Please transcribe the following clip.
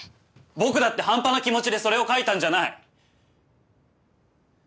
僕だって半端な気持ちでそれを描いたんじゃない！